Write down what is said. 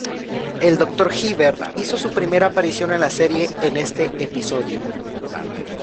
El Dr. Hibbert hizo su primera aparición en la serie en este episodio.